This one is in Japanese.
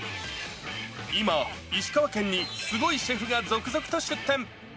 今、石川県にすごいシェフが続々と出店。